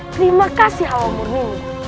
terima kasih allah murni